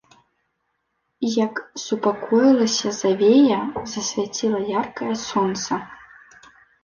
Як супакоілася завея, засвяціла яркае сонца.